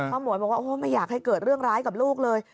หมวยบอกว่าไม่อยากให้เกิดเรื่องร้ายกับลูกเลย